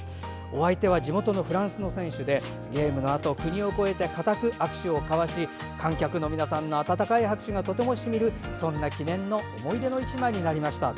お相手は地元のフランスの選手でゲームのあと国を越えて固く握手を交わし観客の皆さんの温かい拍手がとても染みる、そんな記念の思い出の１枚になりました。